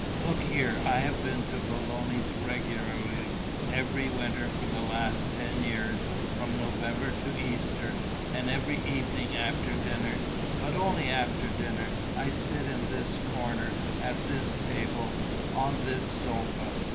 Look here, I have been to Belloni's regularly every winter for the last ten years, from November to Easter; and every evening after dinner but only after dinner I sit in this corner, at this table, on this sofa.